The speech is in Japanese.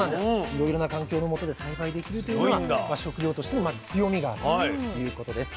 いろいろな環境のもとで栽培できるというのは食用としてのまず強みがあるということです。